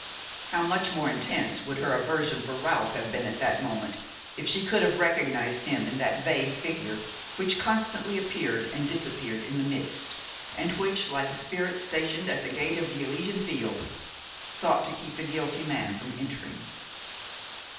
How much more intense would her aversion for Ralph have been at that moment, if she could have recognized him in that vague figure, which constantly appeared and disappeared in the mist, and which, like a spirit stationed at the gate of the Elysian Fields, sought to keep the guilty man from entering!